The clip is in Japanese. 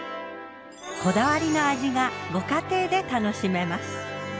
こだわりの味がご家庭で楽しめます。